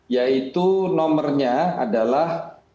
yaitu nomernya adalah